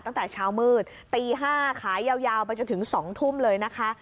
ตั้งแต่เช้ามืดตี๕ขายยาวไปจนถึง๒ทุ่มเลยนะคะ